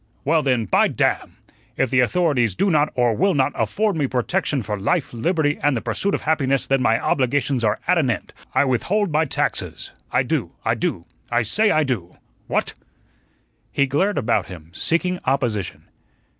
Well, then, by damn! if the authorities do not or will not afford me protection for life, liberty, and the pursuit of happiness, then my obligations are at an end; I withhold my taxes. I do I do I say I do. What?" He glared about him, seeking opposition.